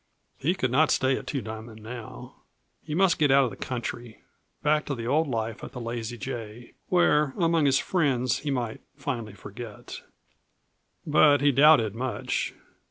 He could not stay at Two Diamond now. He must get out of the country, back to the old life at the Lazy J, where among his friends he might finally forget. But he doubted much.